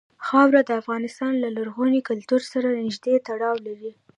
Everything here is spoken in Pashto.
خاوره د افغانستان له لرغوني کلتور سره نږدې تړاو لري.